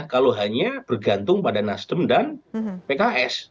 kalau hanya bergantung pada nasdem dan pks